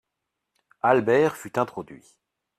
Albert fut introduit.